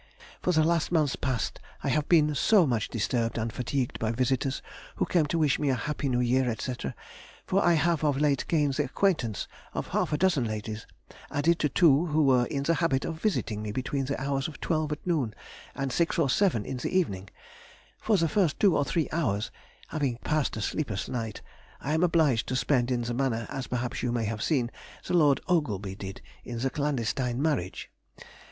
For the last month past I have been so much disturbed and fatigued by visitors who came to wish me a happy New year, &c., for I have of late gained the acquaintance of half a dozen ladies, added to two who were in the habit of visiting me between the hours of twelve at noon and six or seven in the evening; (for the first two or three hours, after having passed a sleepless night, I am obliged to spend in the manner as perhaps you may have seen Lord Ogleby did in The Clandestine Marriage).